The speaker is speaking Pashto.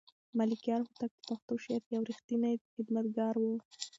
ملکیار هوتک د پښتو شعر یو رښتینی خدمتګار و.